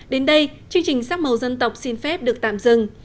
đến đây chương trình sắc màu dân tộc xin phép được tạm dừng